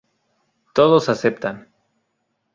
Todos aceptan.